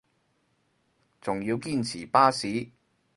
仲要堅持巴士